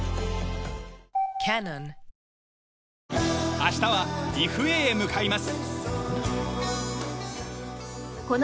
明日はリフエへ向かいます。